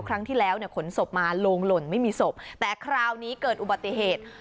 ครั้งที่แล้วเนี่ยขนศพมาโลงหล่นไม่มีศพแต่คราวนี้เกิดอุบัติเหตุ